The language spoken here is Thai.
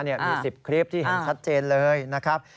มี๑๐คลิปที่เห็นชัดเจนเลยนะครับ